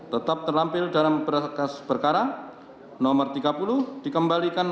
tetap terlampil dalam berkas perkara nomor tiga puluh dikembalikan